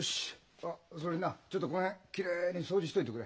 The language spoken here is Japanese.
あっそれになちょっとこの辺きれいに掃除しといてくれ。